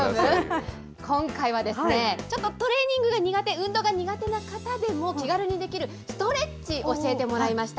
今回は、ちょっとトレーニングが苦手、運動が苦手な方でも気軽にできるストレッチ、教えてもらいました。